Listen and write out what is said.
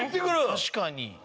確かに。